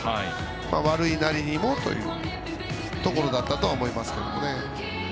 悪いなりにもというところだったと思いますけどね。